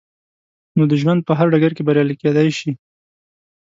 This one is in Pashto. نو د ژوند په هر ډګر کې بريالي کېدای شئ.